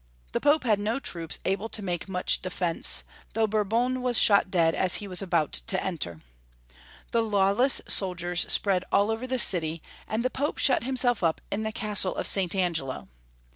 The Pope had no troops able to make much defence, though Boiu'bon was shot dead as he was about to enter. The lawless soldiers spread all over the city, and the Pope shut himself up in the Castle of St. Angelo.